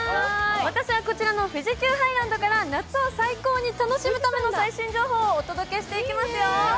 私はこちらの富士急ハイランドから夏を最高に楽しむための最新情報をお届けしていきますよ。